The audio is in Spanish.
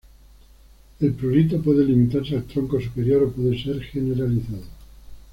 El prurito puede limitarse al tronco superior o puede ser generalizado.